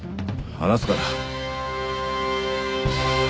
話すから。